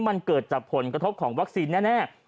มันเกิดจากผลกระทบของวัคซีนแน่